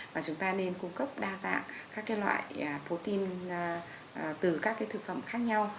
và chúng ta nên cung cấp đa dạng các cái loại protein từ các cái thực phẩm khác nhau